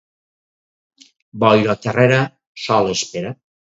Boira terrera, sol espera.